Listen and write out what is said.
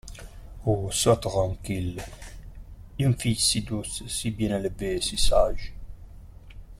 Oh ! sois tranquille ! une fille si douce ! si bien élevée ! si sage !